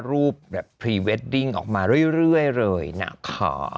รูปแบบพรีเวดดิ้งออกมาเรื่อยเลยนะคะ